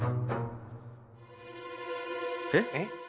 えっ？